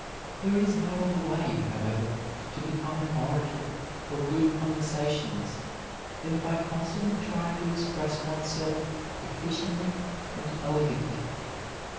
There is no other way, however, to become an orator or a good conversationalist than by constantly trying to express oneself efficiently and elegantly.